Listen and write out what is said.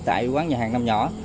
tại quán nhà hàng năm nhỏ